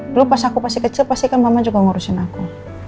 dulu pas aku pasti kecil pasti kan mama juga ngurusin aku